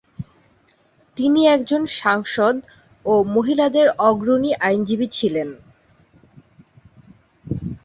তিনি একজন সাংসদ ও মহিলাদের অগ্রণী আইনজীবী ছিলেন।